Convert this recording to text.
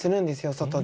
外で。